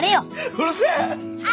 うるせえ。